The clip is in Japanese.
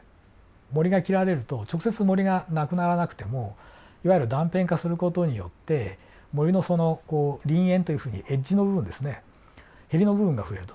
森が切られると直接森がなくならなくてもいわゆる断片化する事によって森のそのこう林縁というふうにエッジの部分ですねへりの部分が増えると。